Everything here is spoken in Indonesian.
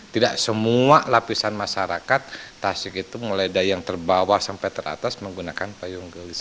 tidak semua lapisan masyarakat tasik itu mulai dari yang terbawa sampai teratas menggunakan payung gelis